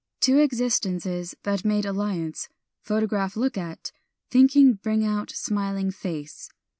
Two existences that made alliance, photograph look at, thinking bring out smiling face."